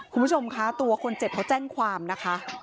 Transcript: คุณผู้ชมคะตัวคนเจ็บเขาแจ้งความนะคะ